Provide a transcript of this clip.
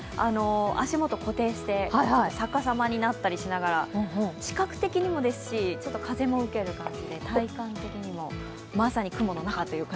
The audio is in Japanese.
足元、固定して逆さまになったりしながら、視覚的にもですし、風も受けて体感的にもまさに雲の中。